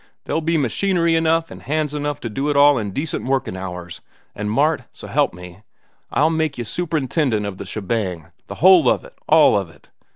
They'll be machinery enough an' hands enough to do it all in decent workin' hours, an' Mart, s'help me, I'll make yeh superintendent of the shebang—the whole of it, all of it.